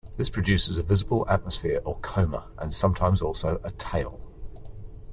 This produces a visible atmosphere or coma, and sometimes also a tail.